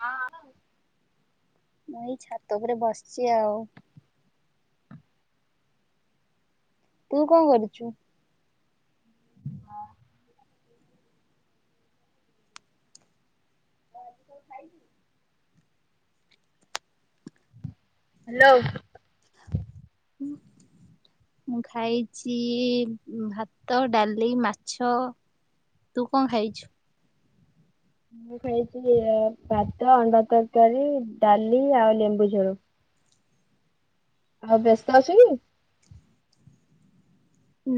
ହଁ। ମୁଁ ଏଇ ଛାତ ଉପରେ ବସିଛି ଆଉ। ତୁ କଣ କରୁଛୁ? ହାଲୋ। [inaudible] ମୁଁ ଖାଇଛି ଉଁ ଭାତ, ଡାଲି, ମାଛ। ତୁ କଣ ଖାଇଛୁ? ମୁଁ ବି ଖାଇଛି ଯେ ଭାତ, ଅଣ୍ଡା ତରକାରୀ, ଡାଲି ଆଉ ଲେମ୍ବୁ ଝୋଳ। [inaudible] ଆଉ ବ୍ୟସ୍ତ ଅଛୁ କି?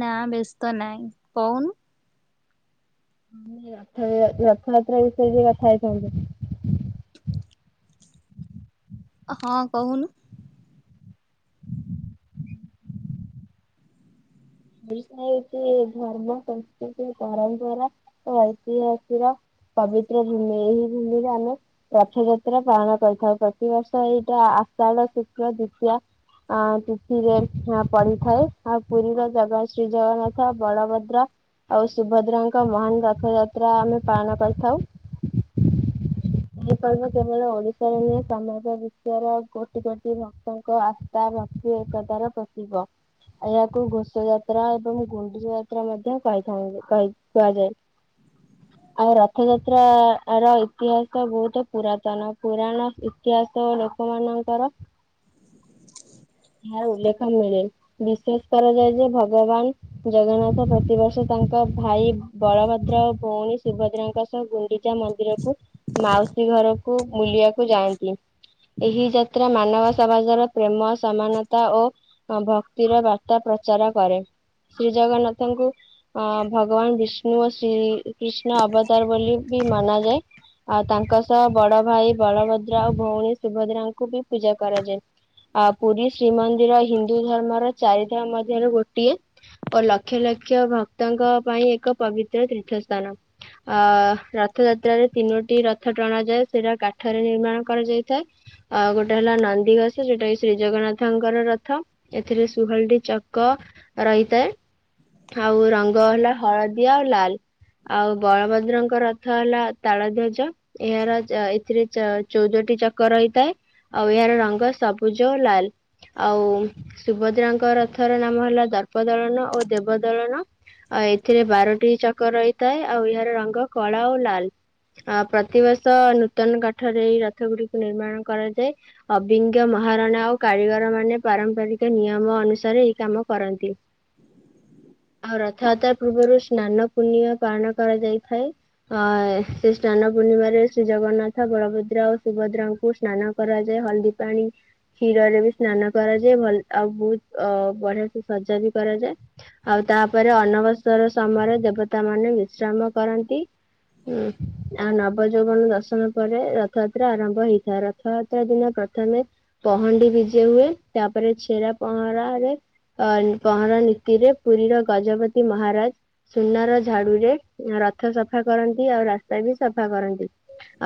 ନା ବ୍ୟସ୍ତ ନାଇଁ କହୁନୁ। ଆମେ ରଥ ରଥଯାତ୍ରା ବିଷୟରେ ଟିକେ କଥା ହେଇଥାନ୍ତେ। ହଁ କହୁନୁ। ଓଡ଼ିଶା ହେଉଛି ଧର୍ମ, ସଂସ୍କୃତି, ପରମ୍ପରା ଓ ଐତିହାସର ପବିତ୍ର ଭୂମି ଏହି ଭୂମିରେ ଆମେ ରଥଯାତ୍ରା ପାଳନ [inaudible] ପ୍ରତିବର୍ଷ ଏଇଟା ଆ ଆଷାଢ ଶୁକ୍ର ଦ୍ଵିତୀୟା ଆ ତିଥିରେ ଆ ପଡିଥାଏ ଆଉ ପୁରୀର ଜଗା ଶ୍ରୀ ଜଗନ୍ନାଥ ବଳଭଦ୍ର ଆଉ ସୁଭଦ୍ରାଙ୍କ ମହାନ ରଥ ଯାତ୍ରା ଆମେ ପାଳନ କରିଥାଉ। [inaudible] ଏହିପର୍ବ କେବଳ ଓଡିଶାରେ ନୁହେଁ ସମଗ୍ର ବିଶ୍ୱର କୋଟି କୋଟି ଭକ୍ତଙ୍କ ଆସ୍ଥା ଭକ୍ତି ଏକତାର ପ୍ରତୀକ ଏହାକୁ ଘୋଷ ଯାତ୍ରା ଏବଂ ଗୁଣ୍ଡିଚା ଯାତ୍ରା ମଧ୍ୟ କହିଥାଉ କହି କୁହାଯାଏ। [inaudible] ଆଉ ରଥଯାତ୍ରା ର ଇତିହାସ ତ ବହୁତ ପୁରାତନ ପୁରାଣ ଇତିହାସ ଲୋକମାନଙ୍କର। ଏହାର ଉଲ୍ଲେଖ ମିଳେ ବିଶ୍ୱାସ କରାଯାଏ ଯେ ଭଗବାନ। ଜଗନ୍ନାଥ ପ୍ରତିବସ ତାଙ୍କ ଭାଇ ବଳଭଦ୍ର ଭଉଣୀ ସୁଭଦ୍ରାଙ୍କ ସହ ଗୁଣ୍ଡିଚା ମନ୍ଦିରକୁ। ମାଉସୀ ଘରକୁ ବୁଲିବାକୁ ଯାଆନ୍ତି। ଏହି ଯାତ୍ରା ମାନବ ସମାଜର ପ୍ରେମ ସମାନତା ଓ ଭକ୍ତିର ବାର୍ତ୍ତା ପ ଆଚାରା କରେ ଶ୍ରୀ ଜଗନ୍ନାଥଙ୍କୁ ଅ ଭଗବାନ ବିଷ ନୂଆ ଶ୍ରୀ କୃଷ୍ଣ ଅବତାର ବୋଲି ବି ମନାଯାଏ। ଆଉ ତାଙ୍କ ସହ ବଡ ଭାଇ ବଳଭଦ୍ର ଆଉ ଭଉଣୀ ସୁଭଦ୍ରାଙ୍କୁ ବି ପୂଜା କରାଯାଏ। ଆ ପୁରୀ ଶ୍ରୀମନ୍ଦିର ହିନ୍ଦୁ ଧର୍ମର ଚାରିଧାମ ମଧ୍ୟରେ ଗୋଟିଏ। ଓ ଲକ୍ଷ ଲକ୍ଷ ଭକ୍ତଙ୍କ ପାଇଁ ଏକ ପବିତ୍ର ତୀର୍ଥ ସ୍ଥାନ ଅ ର ରଥଯାତ୍ରାରେ ତିନୋ ଟି ରଥ ଟଣା ଯାଏ ସେଇଟା କାଠରେ ନିର୍ମାଣ କରାଯାଇଥାଏ ଆଉ ଗୋଟେ ହେଲା ନନ୍ଦିଘୋଷ ଯୋଉଟା କି ଶ୍ରୀ ଜଗନ୍ନାଥଙ୍କର ରଥ ଏଥିରେ ଶୁହଳ ଟି ଚକ ରହିଥାଏ। ଆଉ ରଙ୍ଗ ହେଲା ହଳଦିଆ ଆଉ ଲାଲ। ଆଉ ବଳଭଦ୍ରଙ୍କ ରଥ ହେଲା ତାଳ ଧ୍ଵଜ ଚ ଏହାର ଚା ଏଥିରେ ଚ-ଚଉଦଟି ଚକ ରହିଥାଏ ଆଉ ଏହାର ରଙ୍ଗ ସବୁଜ। ଲାଲ। ଆଉ ସୁଭଦ୍ରାଙ୍କ ରଥର ନାମ ହେଲା ଦର୍ପ ଦଳନ ଓ ଦେବ ଦଳନ। ଆଉ ଏଥିରେ ବାରଟି ଚକ ରହିଥାଏ ଆଉ ଏହାର ରଙ୍ଗ କଳା ଆଉ ଲାଲ। ଅ ପ୍ରତିବର୍ଷ ନୂତନ କାଠରେ ଏଇ ରଥ ଗୁଡିକୁ ନିର୍ମାଣ କରାଯାଏ ଅବିଙ୍ଗ ମହା ରଣା ଆଉ କାରିଗର ମାନେ ପାରମ୍ପରିକ ନିୟମ ଅନୁସାରେ ଏଇ କାମ କରନ୍ତି। [inaudible] ଆଉ ରଥଯାତ୍ରା ପୂର୍ବରୁ ସ୍ନାନ ପୂଣିିମା ପାଳନ କରାଯାଇଥାଏ। ଅଏ। ସେ ସ୍ନାନ ପୂର୍ଣ୍ଣିମାରେ ଶ୍ରୀ ଜଗନ୍ନାଥ ବଳଭଦ୍ରା ଓ ସୁଭଦ୍ରାଙ୍କୁ ସ୍ନାନ କରାଯାଏ ହଳଦୀ ପାଣି। କ୍ଷୀରରେ ବି ସ୍ନାନ। କରାଯାଏ ଭଲ ଆଉ ବହୁତ ଅ ବଢିଆ ସେ ସଜା ବି କରାଯାଏ ଆଉ ତାପରେ ଅନବସ ସମୟରେ ଦେବତା ମାନେ ବିଶ୍ରାମ କରନ୍ତି ଉଁ। ଆଉ ନବ ଯୌବନ ଦର୍ଶନ ପରେ ରଥଯାତ୍ରା ଆରମ୍ଭ ହେଇଥାଏ ରଥଯାତ୍ରା ଦିନ ପ୍ରଥମେ। ପହଣ୍ଡି ବିଜେ ହୁଏ ତାପରେ ଛେରା ପହଁରା ରେ। ଆ ପହଁର ନୀତିରେ ପୁରୀର ଗଜପତି ମହାରାଜ। ସୁନାର ଝାଡୁରେ ରଥ ସଫା କରନ୍ତି ଆଉ ରାସ୍ତା ବି ସଫା କରନ୍ତି।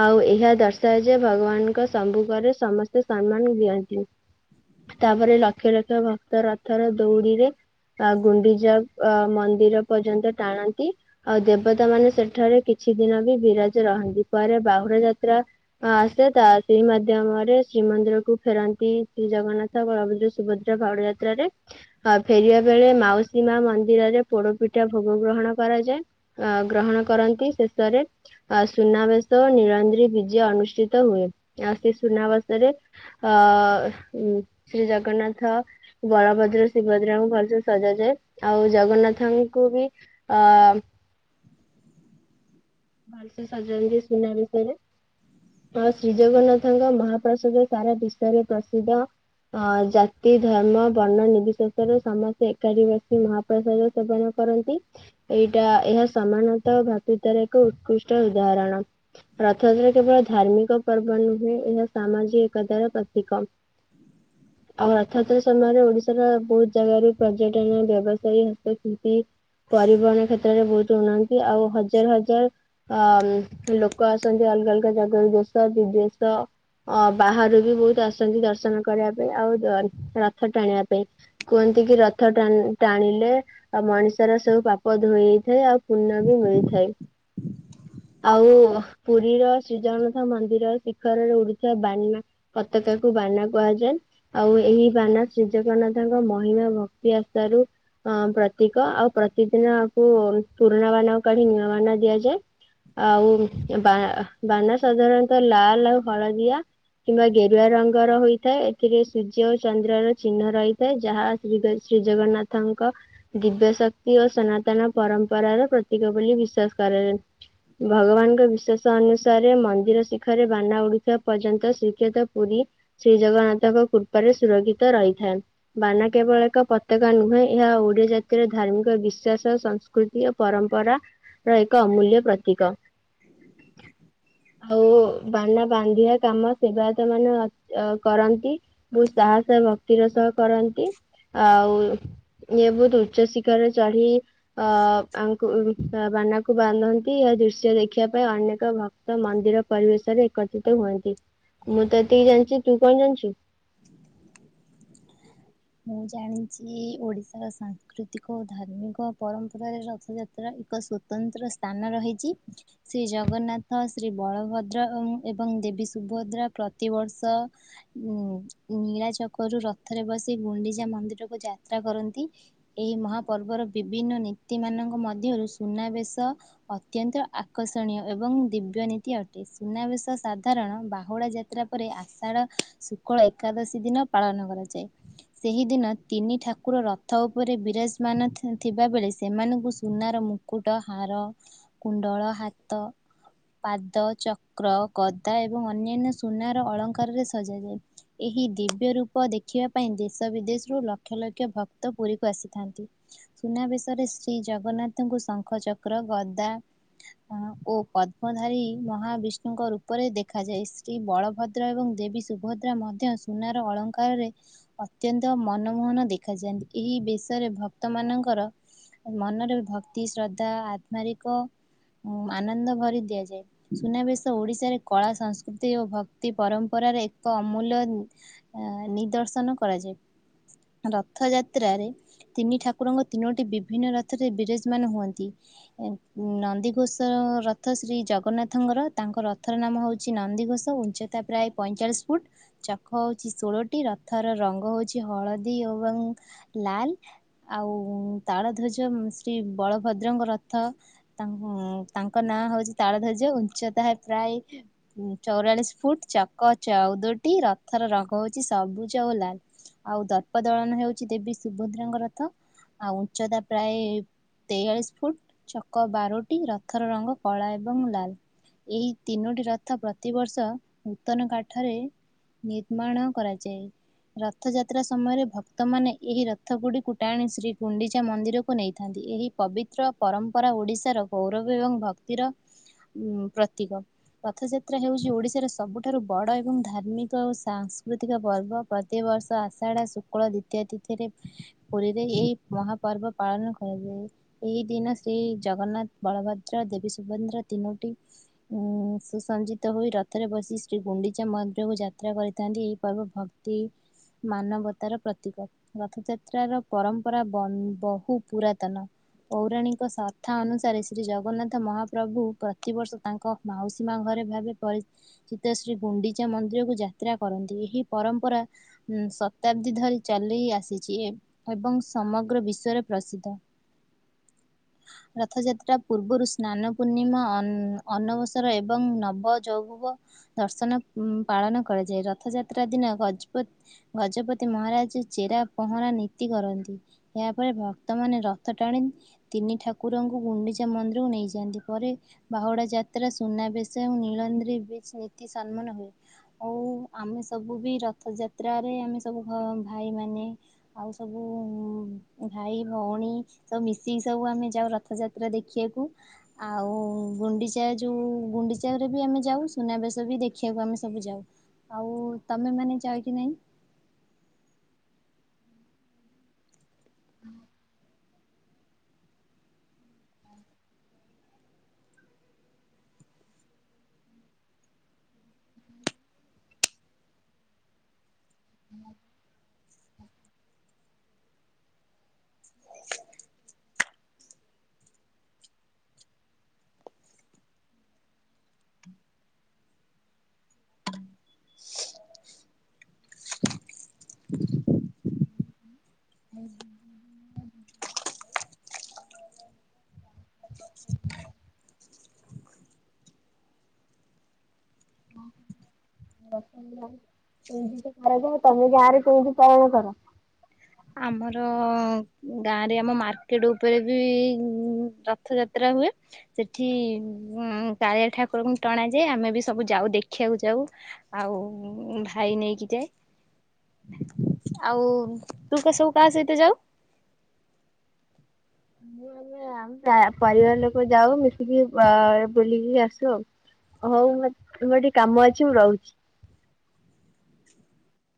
ଆଉ ଏହା ଦର୍ଶାଏ ଯେ ଭଗବାନଙ୍କ ସମ୍ମୁଖରେ ସମସ୍ତେ ସମ୍ମାନ ଦିଅନ୍ତି। ତାପରେ ଲକ୍ଷ ଲକ୍ଷ ଭକ୍ତ ରଥର ଦଉଡିରେ। ଆ ଗୁଣ୍ଡିଚା ଆ ମନ୍ଦିର ପର୍ଯ୍ୟନ୍ତ ଟାଣନ୍ତି ଆଉ ଦେବତା ମାନେ ସେଠାରେ କିଛି। ଦିନ ବି ବିରାଜ ରହନ୍ତି ପରେ ବାହୁଡ଼ା ଯାତ୍ରା ଆସେ ତା ସେଇ ମାଧ୍ୟମରେ ଶ୍ରୀମ ମନ୍ଦିର କୁ ଫେରନ୍ତି ଶ୍ରୀ ଜଗନ୍ନାଥ ବଳଭଦ୍ର ସୁଭଦ୍ରା ବାହୁଡା ଯାତ୍ରାରେ ଆ ଫେରିବା ବେଳେ। ମାଉସୀ ମା ମନ୍ଦିରରେ ପୋଡପିଠା ଭୋଗ ଗ୍ରହଣ କରାଯାଏ ଆ ଗ୍ରହଣ କରନ୍ତି ସେ ସରେ ଆଁ ସୁନାବେଶ ନିଳାନ୍ଦ୍ରି ବିଜେ ଅନୁଷ୍ଠିତ ହୁଏ ଆଉ ସେ ସୁନାବେଶରେ। ଅ ଉ ଶ୍ରୀ ଜଗନ୍ନାଥ, ବଳଭଦ୍ର, ସୁଭଦ୍ରାଙ୍କୁ ଭଲ ସେ ସ ଜା ଯାଏ ଆଉ ଜଗନ୍ନାଥଙ୍କୁ ବି ଭଲସେ ସଯା ଯା ଆ ଶ୍ରୀ ଜଗନ୍ନାଥଙ୍କ ମହାପ୍ରସାଦ ସାରା ବିଶ୍ଵରେ ପ୍ରସିଦ୍ଧ। ହ ଜାତି, ଧର୍ମ, ବର୍ଣ୍ଣ ନିର୍ବିଶେଷ ରେ ସମସ୍ତେ ଏକାଠିବସୀ ମହାପ୍ରାସାଦ ସେବନ କରନ୍ତି। ଏଇଟା ଏହା ସମାନତଃ ଭା ସୁଦାର ଏକ ଉତ୍କୃଷ୍ଟ ଉଦାହରଣ ରଥଯାତ୍ରା କେବଳ ଧାର୍ମିକ ପର୍ବ ନୁହେଁ ଏହା ସା ସମାଜି ଏକତାର ପ୍ରତୀକ। [inaudible] ଆଉ ରଥଯାତ୍ରା ସମୟରେ ଓଡିଶାର ବହୁତ ଜାଗାରୁ ପର୍ଯ୍ୟଟନ ବ୍ୟବସାୟୀ ହସ୍ତଶିଳ୍ପି ପରିବହନ କ୍ଷେତ୍ରରେ ବହୁତ ଉୁନାନ୍ତି ଆଉ ହ ହଜାର ହଜାର ଅ ଲୋକ ଆସନ୍ତି ଅଲଗା ଅଲଗା ଜାଗାରୁ ଦେଶ ବିଦଶ ଅ ବାହାରୁ ବି ବହୁତ ଆସନ୍ତି ଦର୍ଶନ କରିବା ପାଇଁ ଆଉ ଅ ରଥ ଟାଣିବା ପାଇଁ। କୁହନ୍ତି ଯେମିତି କିି ରଥ ଟା ଟାଣିଲେ ଆଉ ମଣିଷର ସବୁ ପାପ ଧୋଇଜାଏ ଆଉ ପୁଣ୍ୟ ବି ମିଳି ଥାଏ। [inaudible] ଆଉ ପୁରୀର ଶ୍ରୀଜଗନ୍ନାଥ ମନ୍ଦିର ଶିଖରରେ ଉଡୁଥିବା ବାନା ପତକା କୁ ବା ବାନା କୁହାଯାଏ। ଆଉ ଅ ପ୍ରତୀକ ଆଉ ପ୍ରତିଦିନକୁ ପୁରୁଣା ବାନ କାଢି ନୂଆବାନା ଦିଆଯାଏ। ଆଉ ବା ବାନା ସାଧାରଣତଃ ଲାଲ ଆଉ ହଳଦିଆ କିମ୍ବା ଗେରୁଆ ରଙ୍ଗର ହୋଇ ଥାଏ ଏଥିରେ ସୂର୍ଯ୍ୟ ଓ ଚନ୍ଦ୍ରର ଚିହ୍ନ ରହିଥାଏ ଯାହା ଶ୍ରୀ ଜ ଶ୍ରୀ ଜଗନ୍ନାଥଙ୍କ ଦିବ୍ୟ ଶକ୍ତି ଓ ସନାତନ ପରମ୍ପରା ର ପ୍ର ତିକ ବୋଲି ବିଶ୍ଵାସ କରାଯା ଭଗବାନଙ୍କ ବିଶ୍ଵାସ ଅନୁଶ ରେ ମନ୍ଦିର ଶିଖରରେ ବାନା ଉଡୁଥିବା ପର୍ଯ୍ୟନ୍ତ ଶ୍ରୀକ୍ଷେତ ପୁରୀ ଶ୍ରୀ ଜଗନ୍ନାଥଙ୍କ କୃ ଉପରେ ସୁରକ୍ଷିତ ରହିଥାଏ। ବାନା କେବଳ ଏକ ପ ବିଶ୍ୱାସ ସଂସ୍କୃତି ଓ ପରମ୍ପରା ର ଏକ ଅମୂଲ୍ୟ ପ୍ରତୀକ। [inaudible] ଆଉ ବାନା ବାନ୍ଧିଆ କାମ ସେବାୟତ ମାନେ ଅ କରନ୍ତି ମୁ ସାହସ ଷା ଭକ୍ତିର ସହ କରନ୍ତି। ଆଉ ଇଏ ବହୁତ ଉଚ୍ଚ ଶିଖର ରେ ଚଢ଼ି ଅ [unintelligible] ବାନାକୁ ବାନ୍ଧନ୍ତି ଏହା ଦୃଶ୍ୟ ଦେଖିବା ପାଇଁ ଅନେ ହୁଅନ୍ତି ମୁଁ ତ ଏତିକି ଜାଣିଛି ତୁ କଣ ଜାଣିଛୁ? [inaudible] ମୁଁ ଜାଣିଛି ଓଡିଶାର ସାଂସ୍କୃତିକ ଓ ଧାର୍ମିକ ପରମ୍ପରାରେ ରଥଯାତ୍ରା ଏକ ସ୍ଵତନ୍ତ୍ର ସ୍ଥାନ ରହିଛି। ଶ୍ରୀ ଜଗନ୍ନାଥ ଶ୍ରୀ ବଳଭ୍ ଦେବୀ ସୁଭଦ୍ରା ପ୍ରତିବର୍ଷ ଉ ନିଳା ଚକ ରୁ ରଥରେ ବସି ସେ ଗୁଣ୍ଡିଚା ମନ୍ଦିରକୁ ଯାତ୍ରା କରନ୍ତି। ଏହି ମହାପର୍ବର ବିଭିନ୍ନ ନୀତି ମାନଙ୍କ ମଧ୍ୟ ସୁନାବେଶ ଅତ୍ୟନ୍ତ ଆକର୍ଷଣୀୟ ଏବଂ ଦିବ୍ୟ ନୀତି ଅଟେ ସୁନାବେଶ ସା ସାଧାରଣ ବାହୁଡା ଯାତ୍ରା ପରେ ଆ ସେହିଦିନ ତିନି ଠାକୁର ରଥ ଉପରେ ବିର ସୁନାର ମୁକୁଟ, ହାର, କୁଣ୍ଡଳ, ହାତ ପାଦ ଚକ୍ର ଗଦା ଏବଂ ଅନ୍ୟାନ୍ୟ ସୁନାର ଅଳଙ୍କାରରେ ସଜାଯାଏ। ଏହି ଦିବ୍ୟ ରୂପ ଦେଖିବା ପାଇଁ ଦେଶ ବିଦେଶରୁ ଲକ୍ଷ ଲକ୍ଷ ଭକ୍ତ ପୁରୀକୁ ଆସିଥାନ୍ତି। ସୁନାବେଶରେ ଶ୍ରୀ ଜଗନ୍ନା ଜଗନ୍ନାଥଙ୍କୁ ଶଙ୍ଖ, ଚକ୍ର, ଗଦା ଓ ପଦ୍ମଧାରୀ ମହାବିଷ୍ଣୁଙ୍କ ରୂପରେ ଦେଖାାଯାଏ ଶ୍ରୀ ବଳଭଦ୍ର ଏବଂ ଦେବୀ ସୁଭଦ୍ରା ମଧ୍ୟ ସୁନାର ଅଳଙ୍କାରରେ ଅତ୍ୟନ୍ତ ମନମୋହନ ଦେଖାଯାଆନ୍ତି ଏହି ବେଶରେ ଭକ୍ତ ମାନଙ୍କର ମନରେ ଭକ୍ତି ଶ୍ର ଉଁ ଆନନ୍ଦ ଭରି ଦିଆଯାଏ। ସୁନାବେଶ ଓଡିଶାରେ, କଳା ସଂସ୍କୃତି ଓ ଭକ୍ତି ପରମ୍ପରା ରେ, ଏକ ଅମୂଲ୍ୟ, ଅଁ-ନିଦର୍ଶନ କରାଯାଏ। ରଥଯାତ୍ରାରେ, ତିନି ଠାକୁରଙ୍କ ତିନୋଟି ବିଭିନ୍ନ ରଥରେ, ବିରେଜ ମାନ ହୁଅନ୍ତି। ନନ୍ଦିଘୋଷ ରଥ, ଶ୍ରୀ ଜଗନ୍ନାଥଙ୍କର ତାଙ୍କ ରଥର ନାମ ହଉଛି ନ ନନ୍ଦିଘୋଷ ଉଁଚତା ପ୍ରାୟ ପଇଁ ଚାଳିସ୍ ଫୁଟ୍, ଚକ ହେଉଛି ଷୋଳଟି, ରଥ ର, ରଙ୍ଗ ହଉଛି ହଳଦୀ ଏବଂ ଲାଲ, ଆଉ ତାଳ ଧଜ ଶ୍ରୀ ବଳଭଦ୍ରଙ୍କ ରଥ, ତାଙ୍କ-ତାଙ୍କ ନାଁ ହଉଛି ତାଳ ଧର୍ଯ୍ୟ, ଉଁଚତା ହେଲା ଚଉରାଳିଶ ଫୁଟ, ଚକ ଚଉଦଟି, ରଥର ରଙ୍ଗ ହଉଛି ସବୁ ଜ, ଲାଲ। ଆଉ ଦର୍ପ ଦଳନ ହେଉଛି, ଦେବୀ ସୁଭଦ୍ରାଙ୍କ ରଥ। ଆଉ ଉଚ୍ଚତା ପ୍ରାଏ ତେୟାଳିଶ ଫୁଟ୍, ଛକ ବାରଟି, ରଥର ରଙ୍ଗ କଳା ଏବଂ ଲାଲ। ଏହି ତିନୋଟି ରଥ ପ୍ରତିବର୍ଷ, ନୂତନ କାଠରେ ନିର୍ମାଣ କରାଯାଏ। ରଥଯାତ୍ରା ସମୟରେ, ଭକ୍ତମାନେ ଏହି ରଥଗୁଡିକୁ ଟାଣି, ଶ୍ରୀ ଗୁଣ୍ଡିଚା ମନ୍ଦିରକୁ ନେଇଥାନ୍ତି। ଥାନ୍ତି, ଏହି ପବିତ୍ର ପରମ୍ପରା ଓଡିଶାର ଗୌରବ ଏବଂ ଭକ୍ତିର ଉଁ ପ୍ରତୀକ। ରଥଯାତ୍ରା ହେଉଛି, ଓଡିଶାର ସବୁଠାରୁ ବଡ ଏବଂ ଧାର୍ମିକ ଓ ସାଂସ୍କୃତିକ ପର୍ବ। ପ୍ରତି ବର୍ଷ, ଆଷାଢା ଶୁକ୍ଳ ଦ୍ଵିତୀୟ ତିଥିରେ, ପୁରୀରେ ଏଇ ମହାପର୍ବ ପାଳନ କର ଏହି ଦିନ ଶ୍ରୀ ଜଗନ୍ନାଥ, ବଳଭଦ୍ର, ଦେବୀ ସୁଭଦ୍ରା ତିନୋଟି ଉ ସୁସଞ୍ଜିତ ହୋଇ ରଥରେ ବସି ଶ୍ରୀ ଗୁଣ୍ଡିଚା ମନ୍ଦିରକୁ ଯାତ୍ରା କରିଥାନ୍ତି। ଏହି ପର୍ବ ଭକ୍ତ ତି- ମାନବତାର ପ୍ରତୀକ। ରଥଯାତ୍ରାର ପରମ୍ପରା, ବନ-ବହୁ ପୁରାତନ। ପୌରାଣିକ ଶର୍ଥ ଅନୁସାରେ, ଶ୍ରୀ ଜଗନ୍ନାଥ ମହାପ୍ରଭୁ, ପ୍ରତିବର୍ଷ ତାଙ୍କ ମାଉସୀ ମା ଘରେ ଘରେ ଭାବେ, ପରିଚିତ। ଶ୍ରୀତେ ଶ୍ରୀ ଗୁଣ୍ଡିଚା ମନ୍ଦିରକୁ ଯାତ୍ରା କରନ୍ତି। ଏହି ପରମ୍ପରା ଉଁ ଶତାବ୍ଦୀ ଧରି ଚାଲି ଆସିଛି। ଏ-ଏବଂ ସମଗ୍ର ବିଶ୍ଵରେ ପ୍ରସିଦ୍ଧ। ରଥଯାତ୍ରା ପୂର୍ବରୁ, ସ୍ନାନ ପୂର୍ଣ୍ଣିମା ଅନ୍-ଅନବସର ଏବଂ ନବ ଯଉ ପ ଦର୍ଶନ ଉଁ-ପାଳନ କରାଯାଏ ରଥଯାତ୍ରା ସତ୍ରା ଦିନ ଗଜପତ୍, ଗଜପତି ମହାରାଜ ଚେରା ପହଁରା ନୀତି କରନ୍ତି। ଏହାପରେ ଭକ୍ତମାନେ ରଥ ଟାଣି, ତିନି ଠାକୁରଙ୍କୁ ଗୁଣ୍ଡିଚା ମନ୍ଦିରକୁ ନେଇଯାଆନ୍ତି। ପରେ ବହୁ ବଡ଼ ଯାତ୍ରା, ସୁନାବେଶ, ନୀଳନ୍ଦ୍ରୀ ବିଜେ ନୀତି ସମ୍ମାନ ହୁଏ। ଓ ଆମେ ସବୁ ବି ରଥଯାତ୍ରାରେ ଆମେ ସବୁ ଘ-ଭାଇ ମାନେ। ଆଉ ସବୁ ଭାଇ ଭଉଣୀ ସବୁ ମିଶିକି ସବୁ ଆମେ ଯାଉ ରଥଯାତ୍ରା ଦେଖିବାକୁ। ଆଉ ଗୁଣ୍ଡିଚା ଯଉ, ଗୁଣ୍ଡିଚା ରେ ବି ଆମେ ଯାଉ, ସୁନାବେଶ ବି ଦେଖିବାକୁ ଆମେ ସବୁ ଯାଉ। ଆଉ ତମେ ମାନେ ଯାଅ କି ନାଇଁ? ହୁଁ। ହୁଁ ହୁଁ ହ। [inaudible] ଖରଜ, ତମେ ଗାଁ ରେ କୋଉଠି ପାଳନ କର? ଆମର, ଗାଁରେ ଆମ ମାର୍କେଟ ଉପରେ, ବି ରଥ ଯାତ୍ରା ହୁ ହୁଏ। ସେଠି ଉ କାଳିଆ ଠାକୁରଙ୍କୁ ଟଣା ଯାଏ। ଆମେ ବି ସବୁ ଯାଉ ଦେଖିବାକୁ ଯାଉ ଆଉ ଭାଇ ନେଇକି ଯାଏ। ଆଉ ତୁ କହ ସବୁ କାହା ସହିତ ଯାଉ? ମୁଁ ଆମେ ଜା, ପରିବାର ଲୋକ ଯାଉ। ମିଶିକି ଆ, ବୁଲିକି ଆସୁ ଆଉ। ହଉ ମ- ମୋର ଟିକେ କାମ ଅଛି ମୁଁ ରହୁଛି। [inaudible]